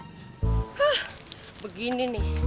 huh begini nih